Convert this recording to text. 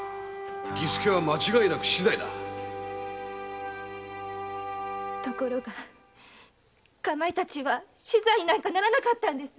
儀助は間違いなく死ところが「かまいたち」は死罪になんかならなかったんです。